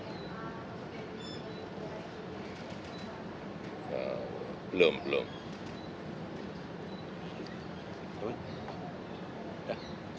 tadi kan ada di bawah perjalanan dari keputusan sps